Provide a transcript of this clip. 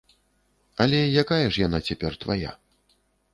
Але якая ж яна цяпер твая.